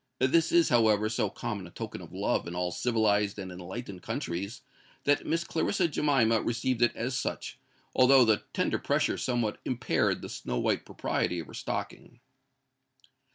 This is, however, so common a token of love in all civilised and enlightened countries, that Miss Clarissa Jemima received it as such, although the tender pressure somewhat impaired the snow white propriety of her stocking.